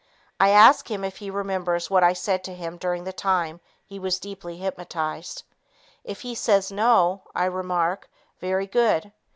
I ask him if he remembers what I said to him during the time he was deeply hypnotized. If he says, "No," I remark, "Very good."